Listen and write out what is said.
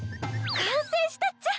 完成したっちゃ。